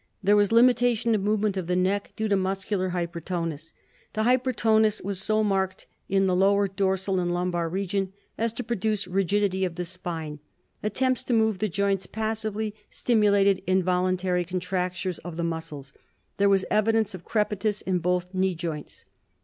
There was limitation of movement of the neck due to muscular hypertonus. The hypertonus was so marked in the lower dorsal and lumbar region as to produce rigidity of the spine. Attempts to move the joints passively stimulated involuntary contractures of the muscles. There was evidence of crepitus in both knee joints.